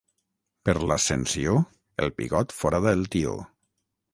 Per l'Ascensió el pigot forada el tió.